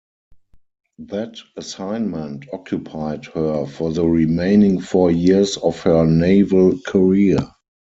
That assignment occupied her for the remaining four years of her naval career.